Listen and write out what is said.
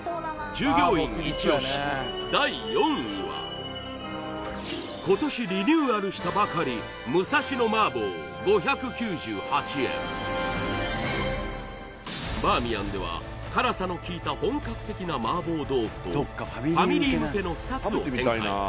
従業員イチ押し第４位は今年リニューアルしたばかりバーミヤンでは辛さのきいた本格的な麻婆豆腐とファミリー向けの２つを展開